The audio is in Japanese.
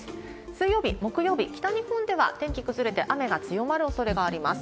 水曜日、木曜日、北日本では天気崩れて雨が強まるおそれがあります。